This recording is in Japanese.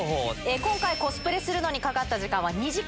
今回、コスプレするのにかかった時間は２時間。